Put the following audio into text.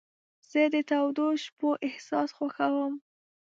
زه د تودو شپو احساس خوښوم.